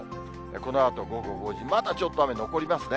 このあと午後５時、まだちょっと雨が残りますね。